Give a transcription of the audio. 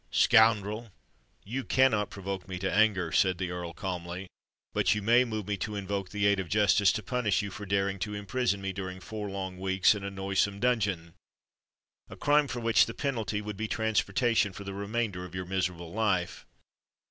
"Scoundrel! you cannot provoke me to anger," said the Earl, calmly; "but you may move me to invoke the aid of justice to punish you for daring to imprison me during four long weeks in a noisome dungeon—a crime for which the penalty would be transportation for the remainder of your miserable life.